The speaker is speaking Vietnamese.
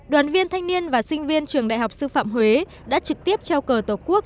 đoàn viên thanh niên và sinh viên trường đại học sư phạm huế đã trực tiếp trao cờ tổ quốc